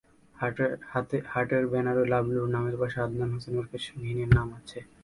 হাটের ব্যানারে লাভলুর নামের পাশে আদনান হোসেন ওরফে সুহিনের নাম আছে।